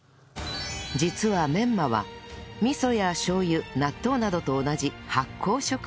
実はメンマは味噌やしょう油納豆などと同じ発酵食品